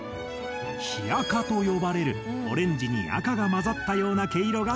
緋赤と呼ばれるオレンジに赤が混ざったような毛色が特徴。